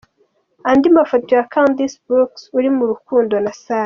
Andi mafoto ya Candice Brooks uri mu rukundo na Sane.